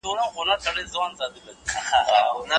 لویه جرګه څنګه د کډوالو د ستونزو له پاره ږغ پورته کوي؟